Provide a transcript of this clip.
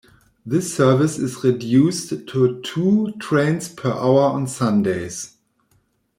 This service is reduced to two trains per hour on Sundays.